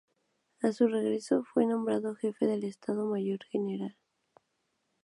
A su regreso, fue nombrado jefe del Estado mayor general.